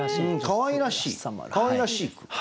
かわいらしい句。